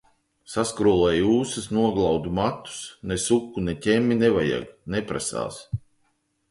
Saskrullēju ūsas, noglaudu matus, ne suku, ne ķemmi nevajag. Neprasās.